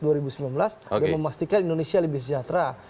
dan memastikan indonesia lebih sejahtera